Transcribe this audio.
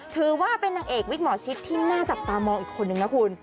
ถือว่าเป็นนางเอกวิกหมอชิดที่น่าจับตามองอีกคนนึงนะคุณ